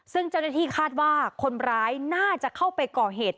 ซึ่งเจ้าหน้าที่คาดว่าคนร้ายน่าจะเข้าไปก่อเหตุ